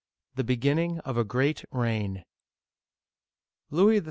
THE BEGINNING OF A GREAT REIGN LOUIS XIII.